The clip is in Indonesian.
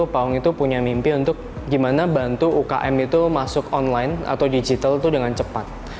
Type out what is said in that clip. pak wong itu punya mimpi untuk gimana bantu umkm itu masuk online atau digital dengan cepat